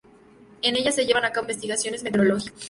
En ellas se llevan a cabo investigaciones meteorológicas.